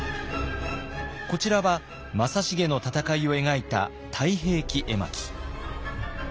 こちらは正成の戦いを描いた「太平記絵巻」。